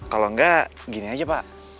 kalau enggak gini aja pak